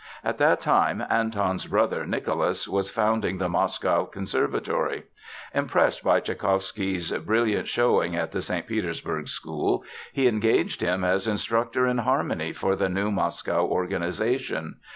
At that time Anton's brother Nicholas was founding the Moscow Conservatory. Impressed by Tschaikowsky's brilliant showing at the St. Petersburg school, he engaged him as instructor in harmony for the new Moscow organization.